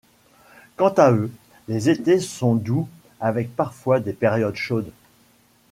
Quant à eux, les étés sont doux avec parfois des périodes chaudes.